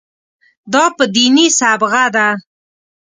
دا په دیني صبغه ده.